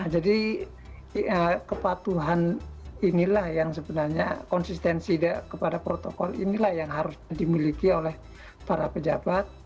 jadi kepatuhan inilah yang sebenarnya konsistensi kepada protokol inilah yang harus dimiliki oleh para pejabat